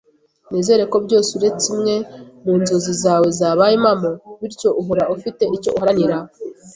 Nizere ko byose uretse imwe mu nzozi zawe zabaye impamo, bityo uhora ufite icyo uharanira.